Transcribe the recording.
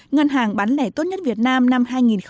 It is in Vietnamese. ngân hàng bán lẻ tốt nhất việt nam năm hai nghìn bảy